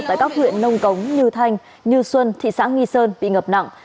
tại các huyện nông cống như thanh như xuân thị xã nghi sơn bị ngập nặng